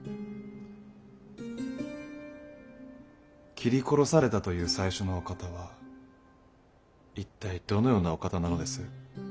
斬り殺されたという最初のお方は一体どのようなお方なのです？